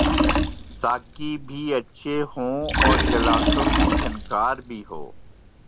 ساقی بھی اچھے ہوں اور گلاسوں کی جھنکار بھی ہو۔